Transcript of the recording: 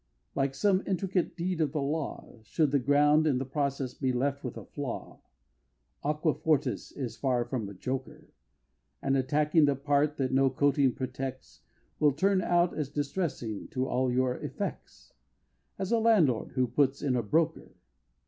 like some intricate deed of the law, Should the ground in the process be left with a flaw, Aqua fortis is far from a joker; And attacking the part that no coating protects, Will turn out as distressing to all your effects As a landlord who puts in a broker.